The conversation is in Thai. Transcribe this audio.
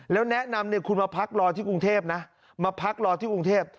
แล้วแนะนำเนี่ยคุณมาพักรอที่กรุงเทพนะมาพักรอที่กรุงเทพ